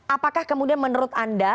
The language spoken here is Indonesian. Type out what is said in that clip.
apakah kemudian menurut anda